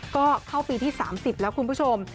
ก็เข้าปีที่๓๐แล้วคุณผู้ชม